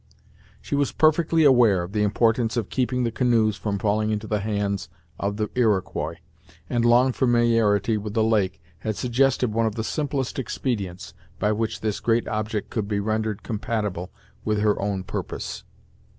She was perfectly aware of the importance of keeping the canoes from falling into the hands of the Iroquois, and long familiarity with the lake had suggested one of the simplest expedients, by which this great object could be rendered compatible with her own purpose.